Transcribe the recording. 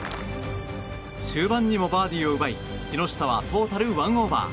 終盤にもバーディーを奪い木下はトータル１オーバー。